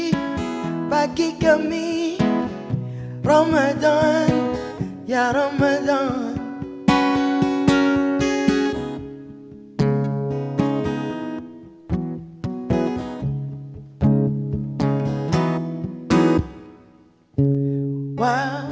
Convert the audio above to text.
kembali dan kini kau telah kembali ramadan ya ramadan bulan suci bagi kami ramadan ya ramadan